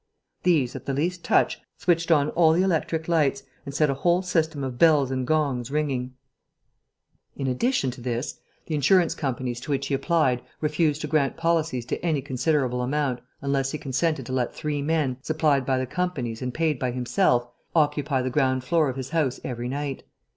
These, at the least touch, switched on all the electric lights and set a whole system of bells and gongs ringing. In addition to this, the insurance companies to which he applied refused to grant policies to any considerable amount unless he consented to let three men, supplied by the companies and paid by himself, occupy the ground floor of his house every night.